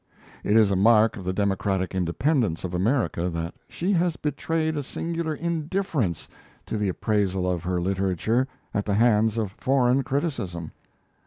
It is a mark of the democratic independence of America that she has betrayed a singular indifference to the appraisal of her literature at the hands of foreign criticism.